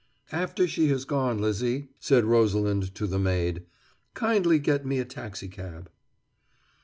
"After she has gone, Lizzie," said Rosalind to the maid, "kindly get me a taxicab."